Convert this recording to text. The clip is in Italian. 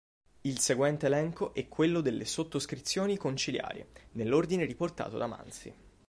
Il seguente elenco è quello delle sottoscrizioni conciliari, nell'ordine riportato da Mansi.